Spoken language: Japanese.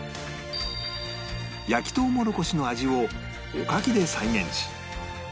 焼きとうもろこしの味をおかきで再現し